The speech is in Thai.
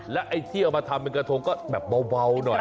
แล้วไอ้ที่เอามาทำเป็นกระทงก็แบบเบาหน่อย